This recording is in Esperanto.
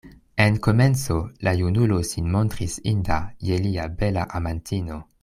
En komenco la junulo sin montris inda je lia bela amantino.